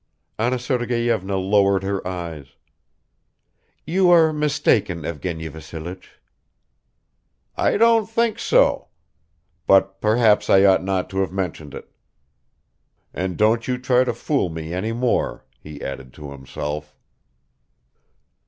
Anna Sergeyevna lowered her eyes. "You are mistaken, Evgeny Vassilich." "I don't think so. But perhaps I ought not to have mentioned it." "And don't you try to fool me any more," he added to himself.